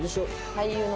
俳優の。